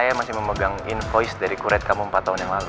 saya masih memegang invoice dari kuret kamu empat tahun yang lalu